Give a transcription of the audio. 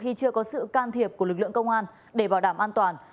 khi chưa có sự can thiệp của lực lượng công an để bảo đảm an toàn